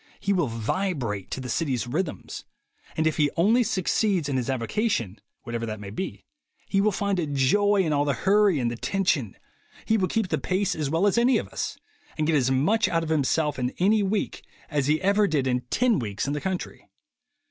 He will vibrate to the city's rhythms; and if he only succeeds in his avocation, whatever that may be, he will find a joy in all the hurry and the tension, he will keep the pace as well as any of us, and get as much out of himself in any week as he ever did in ten weeks in the country.